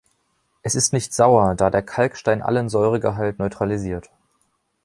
Es ist nicht sauer, da der Kalkstein allen Säuregehalt neutralisiert.